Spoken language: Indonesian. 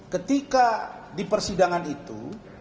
ketika di persidangan itu